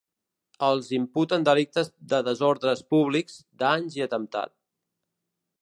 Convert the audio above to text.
Els imputen delictes de desordres públics, danys i atemptat.